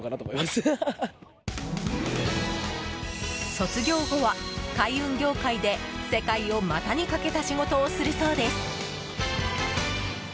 卒業後は海運業界で、世界を股にかけた仕事をするそうです。